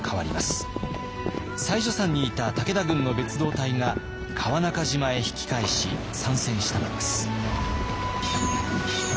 妻女山にいた武田軍の別動隊が川中島へ引き返し参戦したのです。